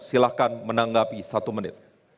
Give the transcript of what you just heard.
silahkan menanggapi satu menit